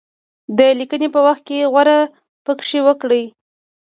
د لیکني په وخت کې غور پکې وکړي.